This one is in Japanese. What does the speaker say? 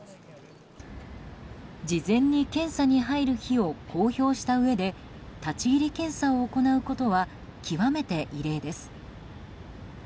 事前に検査に入る日を公表したうえで立ち入り検査を行うことは極めて異例です。